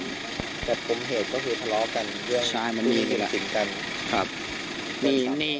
จริงจังแต่กรมเหตุก็คือทะเลาะกันใช่มันมีแล้วสิ่งกันครับนี่นี่